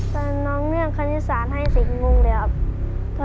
แต่น้องเลือกคณิสารให้สิงห์มุมเดี๋ยวกันครับ